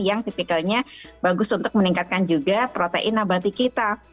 yang tipikalnya bagus untuk meningkatkan juga protein abadi kita